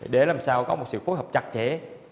để làm sao có một sự phối hợp chặt chẽ